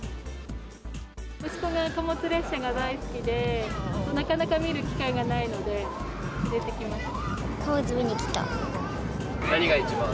息子が貨物列車が大好きで、なかなか見る機会がないので、連れてきました。